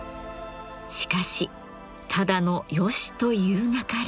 しかしただのヨシと言うなかれ。